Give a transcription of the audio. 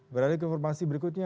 berlalu ke informasi berikutnya